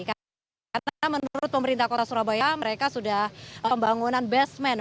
karena menurut pemerintah kota surabaya mereka sudah pembangunan basement